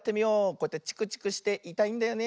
こうやってチクチクしていたいんだよね。